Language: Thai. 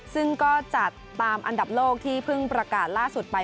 ซึ่งก็จัดตามอันดับโลกที่เพิ่งประกาศล่าสุดไป